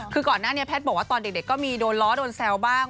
คือก่อนหน้านี้แพทย์บอกว่าตอนเด็กก็มีโดนล้อโดนแซวบ้าง